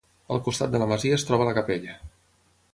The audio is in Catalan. Al costat de la masia es troba la capella.